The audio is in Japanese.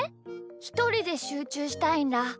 ひとりでしゅうちゅうしたいんだ。